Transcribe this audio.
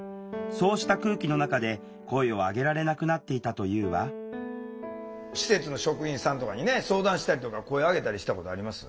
そうした空気の中で声を上げられなくなっていたというわ施設の職員さんとかにね相談したりとか声上げたりしたことあります？